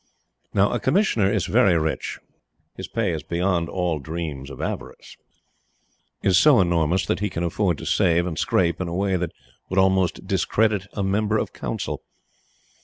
Now a Commissioner is very rich. His pay is beyond the dreams of avarice is so enormous that he can afford to save and scrape in a way that would almost discredit a Member of Council.